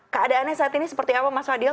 keadaannya saat ini seperti apa mas fadil